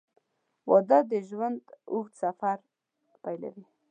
• واده د ژوند اوږد سفر پیلوي.